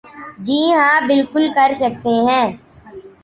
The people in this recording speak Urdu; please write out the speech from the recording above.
جی ہاں بالکل کر سکتے ہیں ۔